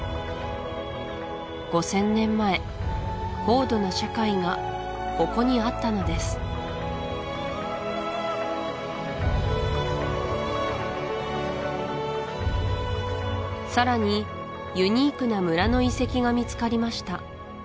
５０００年前高度な社会がここにあったのですさらにユニークな村の遺跡が見つかりました